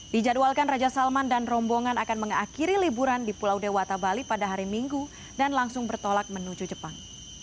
dijadwalkan raja salman dan rombongan akan mengakhiri liburan di pulau dewata bali pada hari minggu dan langsung bertolak menuju jepang